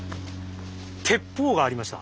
鉄砲がありました。